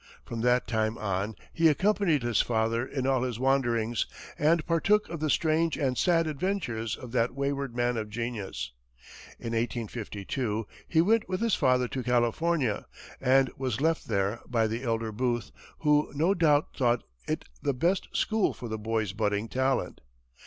From that time on, he accompanied his father in all his wanderings, and partook of the strange and sad adventures of that wayward man of genius. In 1852, he went with his father to California, and was left there by the elder Booth, who no doubt thought it the best school for the boy's budding talent.